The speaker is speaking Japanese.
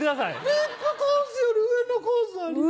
ビップコースより上のコースあります？